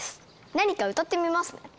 何か歌ってみます。